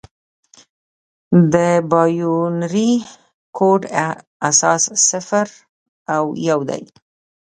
د بایونري کوډ اساس صفر او یو دي.